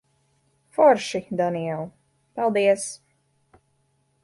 Forši, Daniel. Paldies.